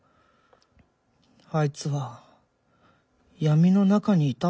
あいつは闇の中にいたんだろうか？